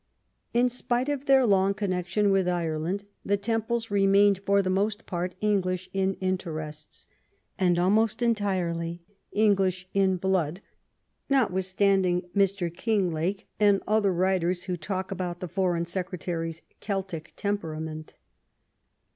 In spite of their long connection with Ireland, the Temples remained for the most part English in interests, and almost entirely English in blood, notwithstanding Mr. Einglake and other writers who talk about the Foreign Secretary's Celtic temperament.